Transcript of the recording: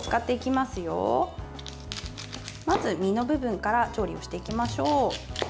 まず実の部分から調理をしていきましょう。